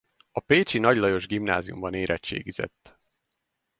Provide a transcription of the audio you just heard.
A pécsi Nagy Lajos Gimnáziumban érettségizett.